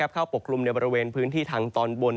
ปกคลุมในบริเวณพื้นที่ทางตอนบน